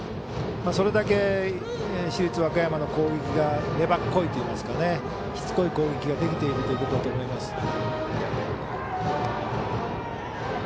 それだけ市立和歌山の攻撃が粘っこいといいますかしつこい攻撃ができているということだと思います。